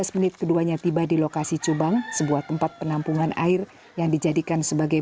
menit keduanya tiba di lokasi cubang sebuah tempat penampungan air yang dijadikan sebagai